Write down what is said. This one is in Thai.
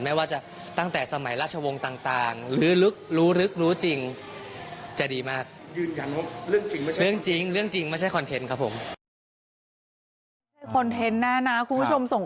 ไม่ว่าจะตั้งแต่สมัยราชวงศ์ต่างรู้รึกรู้จริง